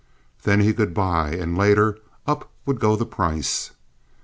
Then he could buy, and, later, up would go the price.